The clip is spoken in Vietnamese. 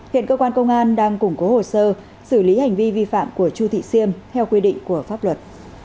hiện cơ quan công an đang củng cố hồ sơ xử lý hành vi vi phạm của chu thị siêm theo quy định của pháp luật